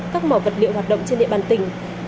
các mỏ vật liệu hoạt động trên địa bàn tỉnh